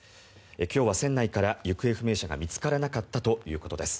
今日は船内から行方不明者が見つからなかったということです。